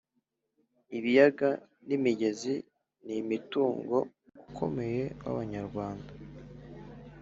Ibiyaga n’imigezi ni umutungo ukomeye w’Abanyarwanda